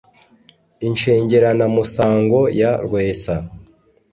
Inshengeranamusango ya Rwesa